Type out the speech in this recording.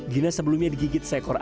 gina sebelumnya digigit seekor